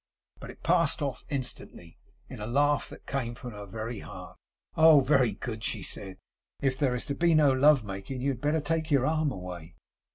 But it passed off instantly, in a laugh that came from her very heart. 'Oh, very good!' she said; 'if there is to be no love making, you had better take your arm away.